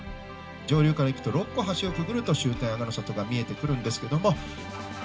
上流から行くと６個、橋をくぐると終点、阿賀の里が見えてくるんですけども。